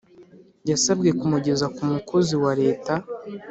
Yasabwe kumugeza ku mukozi wa leta